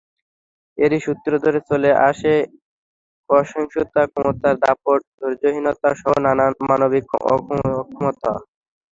এরই সূত্র ধরে চলে আসে অসহিষ্ণুতা, ক্ষমতার দাপট, ধৈর্যহীনতাসহ নানান মানবিক অক্ষমতা।